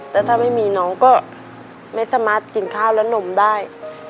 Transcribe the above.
แต่ถ้าไม่มีน้องก็ไม่สามารถกินข้าวและนมได้